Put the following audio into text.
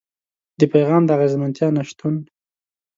د پيغام د اغېزمنتيا نشتون.